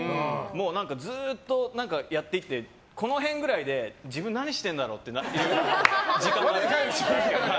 ずっとやっていってこの辺くらいで自分、何してるんだろうってなる時間があって。